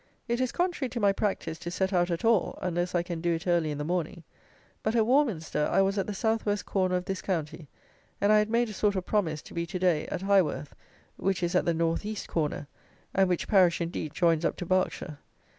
It is contrary to my practice to set out at all, unless I can do it early in the morning; but at Warminster I was at the South West corner of this county, and I had made a sort of promise to be to day at Highworth, which is at the North East corner, and which parish, indeed, joins up to Berkshire.